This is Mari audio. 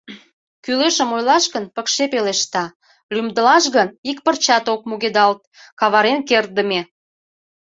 Кӱлешым ойлаш гын, пыкше пелешта, лӱмдылаш гын, ик пырчат ок мугедалт, каварен кертдыме.